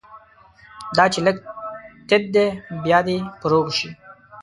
دا چې لږ تت دی، بیا دې فروغ شي